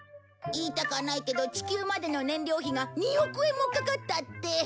言いたかないけど地球までの燃料費が２億円もかかったって！